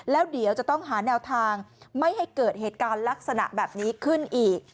แล้วเดี๋ยวจะต้องหาแนวทางไม่ให้เกิดเหตุการณ์ลักษณะแบบนี้ขึ้นอีก